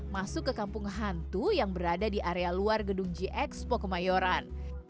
masuk ke kampung hantu yang berada di area luar gedung gx pocomayoran